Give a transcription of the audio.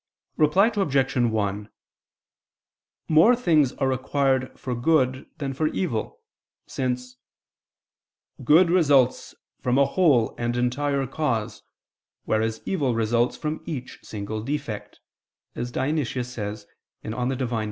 Reply Obj. 1: More things are required for good than for evil, since "good results from a whole and entire cause, whereas evil results from each single defect," as Dionysius states (Div. Nom.